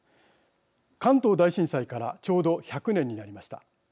関東大震災からちょうど１００年になりました。